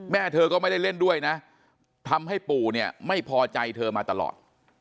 เธอก็ไม่ได้เล่นด้วยนะทำให้ปู่เนี่ยไม่พอใจเธอมาตลอด